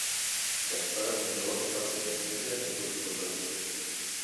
Gaspar Armengol va ser un metge nascut a Tortosa.